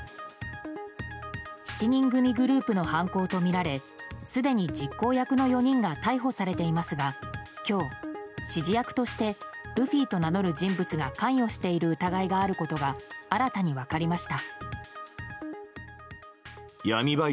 ７人組グループの犯行とみられすでに実行役とみられる人物が４人逮捕されていますが今日、指示役としてルフィと名乗る人物が関与している疑いがあることが新たに分かりました。